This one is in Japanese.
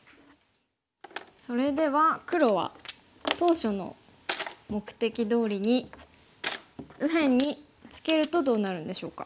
それでは黒は当初の目的どおりに右辺にツケるとどうなるんでしょうか？